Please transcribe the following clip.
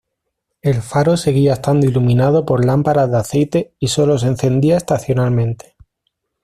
El faro seguía estando iluminado por lámparas de aceite y sólo se encendía estacionalmente.